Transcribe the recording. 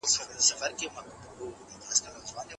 خلګ د دين اطاعت کاوه.